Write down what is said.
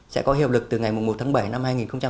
sẽ có hiệu lực từ ngày một tháng bảy năm hai nghìn hai mươi